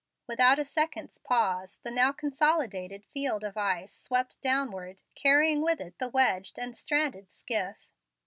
Without a second's pause, the now consolidated field of ice swept downward, carrying with it the wedged and stranded skiff.